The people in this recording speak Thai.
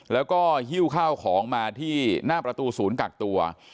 แล้วก็หิ้วข้าวของมาที่หน้าประตูศูนย์กักตัว